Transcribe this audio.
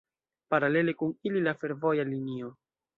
Paralele kun ili la fervoja linio.